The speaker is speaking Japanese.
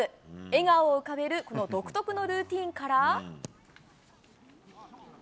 笑顔を浮かべる、この独特のルーティンから。